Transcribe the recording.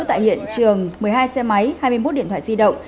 tại hiện trường một mươi hai xe máy hai mươi một điện thoại di động